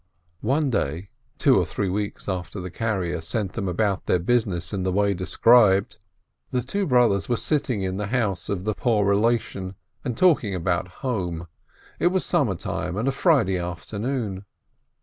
One day, two or three weeks after the carrier sent them about their business in the way described, the two THE TWO BROTHERS 401 brothers were sitting in the house of the poor relation and talking about home. It was summer time, and a Friday afternoon.